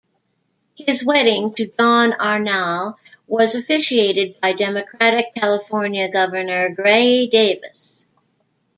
His wedding to Dawn Arnall was officiated by Democratic California Governor Gray Davis.